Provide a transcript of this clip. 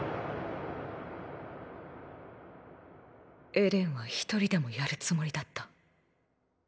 エレンは一人でもやるつもりだった。